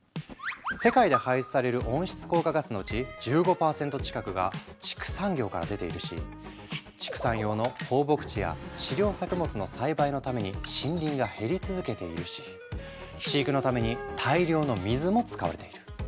世界で排出される温室効果ガスのうち１５％近くが畜産業から出ているし畜産用の放牧地や飼料作物の栽培のために森林が減り続けているし飼育のために大量の水も使われている。